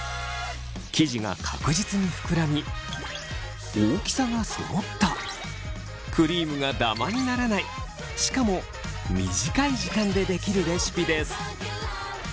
生地が確実にふくらみ大きさがそろったクリームがダマにならないしかも短い時間でできるレシピです。